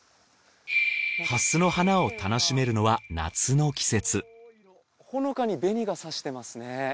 ハスの花を楽しめるのは夏の季節ほのかに紅がさしてますね。